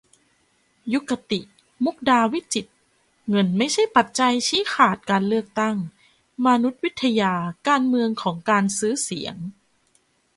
ยุกติ มุกดาวิจิตร : เงินไม่ใช่ปัจจัยชี้ขาดการเลือกตั้ง : มานุษยวิทยาการเมืองของ 'การซื้อเสียง'